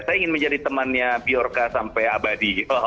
saya ingin menjadi temannya biorka sampai abadi